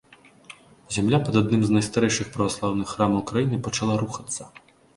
Зямля пад адным з найстарэйшых праваслаўных храмаў краіны пачала рухацца.